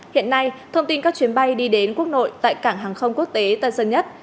hiện nay thông tin các chuyến bay đi đến quốc nội tại cảng hàng không quốc tế tân sơn nhất